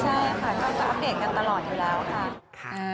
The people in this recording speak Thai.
ใช่ค่ะก็จะอัปเดตกันตลอดอยู่แล้วค่ะ